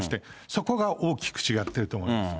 そこが大きく違ってると思います。